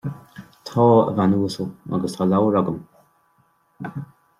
Tá, a bhean uasal, agus tá leabhar agam